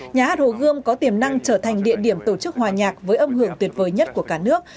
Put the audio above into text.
nhà hát hồ gươm có tiềm năng trở thành địa điểm tổ chức hòa nhạc với âm hưởng tuyệt vời nhất của cả nước